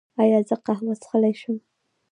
ایا زه قهوه څښلی شم؟